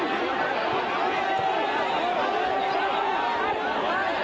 มีการปลาขวดน้ำนะคะ